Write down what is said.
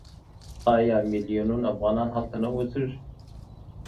آیا میلیونونه افغانان هلته نه اوسېږي؟